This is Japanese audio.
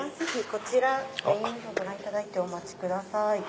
こちらご覧いただいてお待ちください。